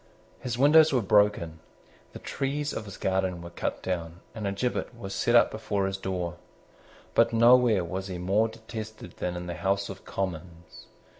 His windows were broken; the trees of his garden were cut down; and a gibbet was set up before his door. But nowhere was he more detested than in the House of Commons.